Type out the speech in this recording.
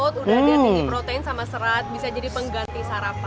udah ada tinggi protein sama serat bisa jadi pengganti sarapan